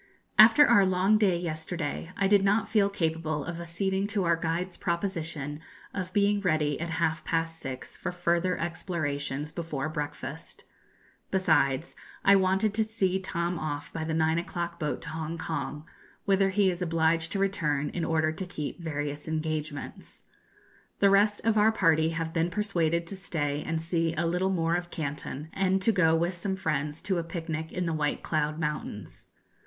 After our long day yesterday, I did not feel capable of acceding to our guide's proposition of being ready at half past six for further explorations before breakfast; besides, I wanted to see Tom off by the nine o'clock boat to Hongkong, whither he is obliged to return in order to keep various engagements. The rest of our party have been persuaded to stay and see a little more of Canton and to go with some friends to a picnic in the White Cloud Mountains.